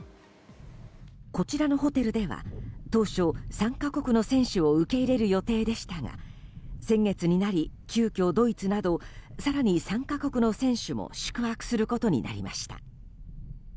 こちらのホテルでは当初、３か国の選手を受け入れる予定でしたが先月になり、急きょドイツなど更に３か国の選手も宿泊することになりました。